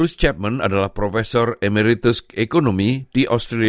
untuk mengikuti kursus bridging di australia